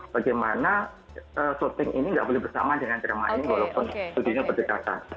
bagaimana syuting ini enggak boleh bersama dengan drama ini walaupun sujudinya berdekatan